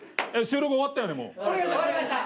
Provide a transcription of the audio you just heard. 終わりました！